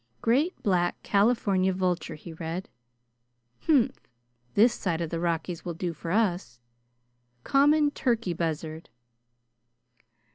"'Great black California vulture,'" he read. "Humph! This side the Rockies will do for us." "'Common turkey buzzard.'"